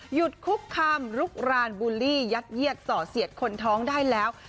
หยุดคุกคามลุกรานบูลลี่ยัดเยียดส่อเสียดคนท้องได้แล้ว